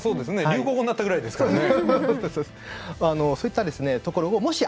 流行語になったぐらいですからね。